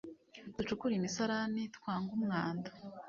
Ducukure imisarani twange umwanda